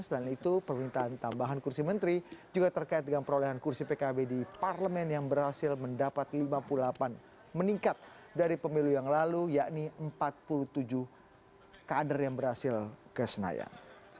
selain itu permintaan tambahan kursi menteri juga terkait dengan perolehan kursi pkb di parlemen yang berhasil mendapat lima puluh delapan meningkat dari pemilu yang lalu yakni empat puluh tujuh kader yang berhasil ke senayan